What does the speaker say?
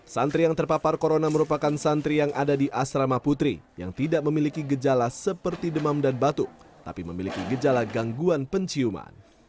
santri yang terpapar corona merupakan santri yang ada di asrama putri yang tidak memiliki gejala seperti demam dan batuk tapi memiliki gejala gangguan penciuman